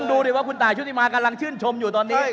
ดูดิว่าคุณตายชุติมากำลังชื่นชมอยู่ตอนนี้